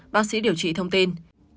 bác sĩ điều trị thông tin